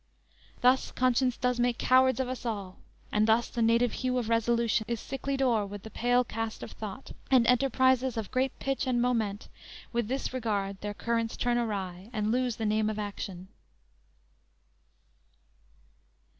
Thus conscience does make cowards of us all, And thus the native hue of resolution Is sicklied o'er with the pale cast of thought, And enterprises of great pitch and moment With this regard their currents turns awry And lose the name of action!"